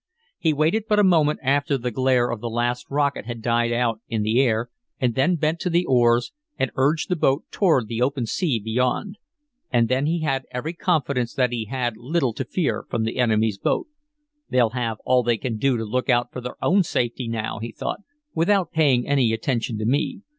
He waited but a moment after the glare of the last rocket had died out in the air, and then bent to the oars, and urged the boat toward the open sea beyond. And then he had every confidence that he had little to fear from the enemy's boat. "They'll have all they can do to look out for their own safety now," he thought, "without paying any attention to me.